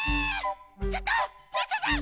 ちょっとちょうちょさん！